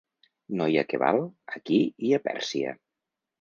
Noia que val, aquí i a Pèrsia.